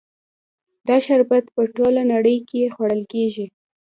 دا شربت په ټوله نړۍ کې خوړل کیږي.